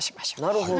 なるほど。